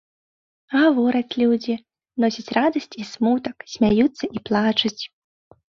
Гавораць людзі, носяць радасць і смутак, смяюцца і плачуць.